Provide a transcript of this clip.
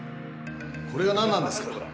これが何なんですか？